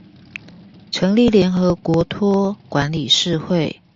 成立聯合國託管理事會